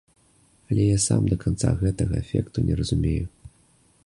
Але я сам да канца гэтага эфекту не разумею.